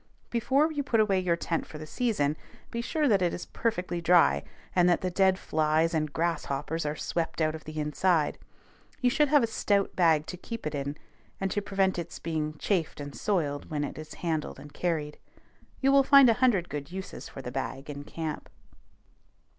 Before you put away your tent for the season be sure that it is perfectly dry, and that the dead flies and grasshoppers are swept out of the inside. You should have a stout bag to keep it in, and to prevent its being chafed and soiled when it is handled and carried. You will find a hundred good uses for the bag in camp.